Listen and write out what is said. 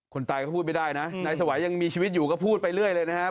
คนตายก็พูดไม่ได้นะนายสวัยยังมีชีวิตอยู่ก็พูดไปเรื่อยเลยนะครับ